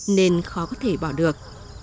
nên khó có thể bỏ được